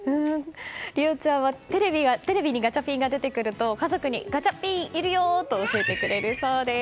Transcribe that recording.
莉想ちゃんはテレビにガチャピンが出てくると家族にガチャピンいるよと教えてくれるそうです。